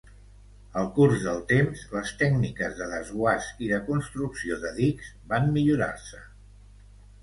Al curs del temps, les tècniques de desguàs i de construcció de dics van millorar-se.